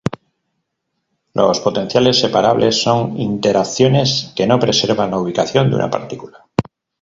Los potenciales separables son interacciones que no preservan la ubicación de una partícula.